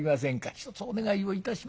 一つお願いをいたします」。